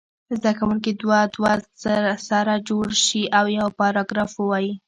زده کوونکي دوه دوه سره جوړ شي او یو پاراګراف ووایي.